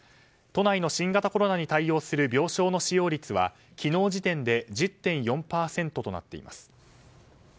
都内の新型コロナに対応する病床の使用率は昨日時点で１０．４％となっています。